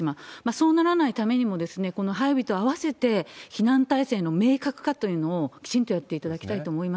そうならないためにも、この配備と併せて、避難体制の明確化というのをきちんとやっていただきたいと思いま